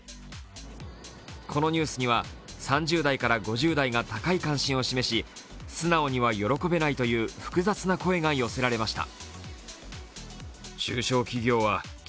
このニュースには３０代から５０代が高い関心を示し素直には喜べないという複雑な声が寄せられました。